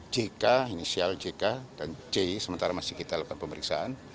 jk inisial jk dan c sementara masih kita lakukan pemeriksaan